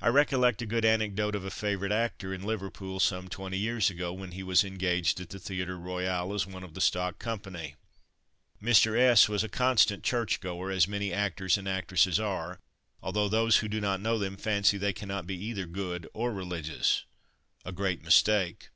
I recollect a good anecdote of a favourite actor in Liverpool some twenty years ago, when he was engaged at the Theatre Royal as one of the stock company. Mr. S was a constant church goer, as many actors and actresses are, although those who do not know them fancy they cannot be either good or religious a great mistake.